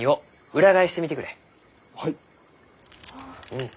うん。